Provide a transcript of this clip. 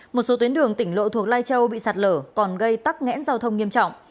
một số tuyến đường tỉnh lộ thuộc lai châu bị sạt lở còn gây tắc nghẽn giao thông nghiêm trọng